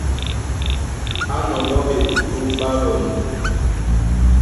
Á nɔŋgɔ́ ɓekutú ɓá lɔndɔ.